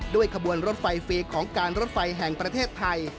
ขบวนรถไฟฟรีของการรถไฟแห่งประเทศไทย